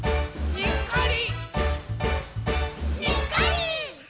「にっこり！」